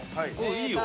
いいよ。